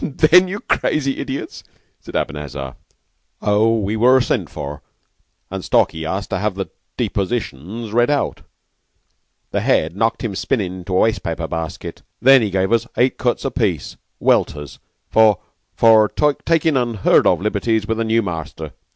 "And then, you crazy idiots?" said Abanazar. "Oh, we were sent for; and Stalky asked to have the 'depositions' read out, and the Head knocked him spinning into a waste paper basket. Then he gave us eight cuts apiece welters for for takin' unheard of liberties with a new master.